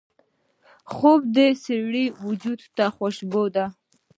خوب د سړي وجود ته خوشبو ده